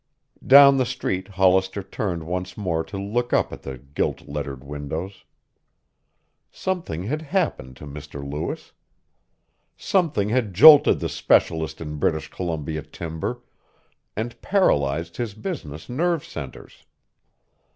Down the street Hollister turned once more to look up at the gilt lettered windows. Something had happened to Mr. Lewis. Something had jolted the specialist in British Columbia timber and paralyzed his business nerve centers.